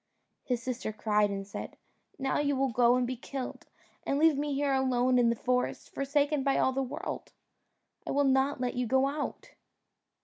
His sister cried and said, "Now you will go and be killed, and leave me here alone in the forest, forsaken by all the world; I will not let you go out."